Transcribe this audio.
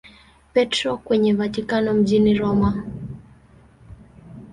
Petro kwenye Vatikano mjini Roma.